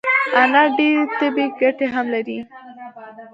انار ډیري طبي ګټي هم لري